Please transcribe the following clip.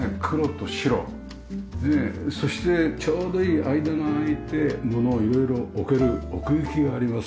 ねえそしてちょうどいい間が空いて物を色々置ける奥行きがあります。